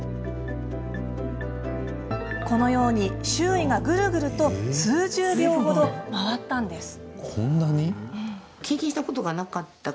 このように、周囲がグルグルと数十秒程、回ったのです。